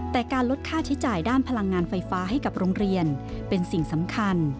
แต่การลดค่าใช้จ่ายด้านพลังงานไฟฟ้าให้กับโรงเรียนเป็นสิ่งสำคัญ